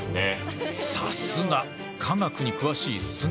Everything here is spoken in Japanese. さすが科学に詳しい須貝。